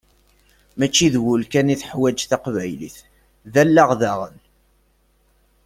Mačči d ul kan i teḥwaǧ teqbaylit, d allaɣ daɣen!